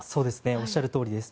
おっしゃるとおりです。